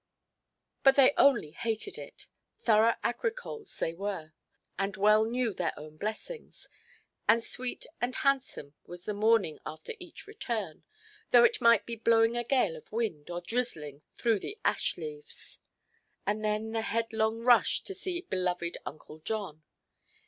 But they only hated it; thorough agricoles they were, and well knew their own blessings: and sweet and gladsome was the morning after each return, though it might be blowing a gale of wind, or drizzling through the ash–leaves. And then the headlong rush to see beloved Uncle John.